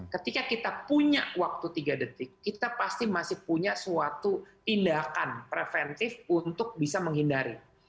ketika kita punya waktu tiga detik kita pasti masih punya suatu tindakan preventif untuk bisa menghindari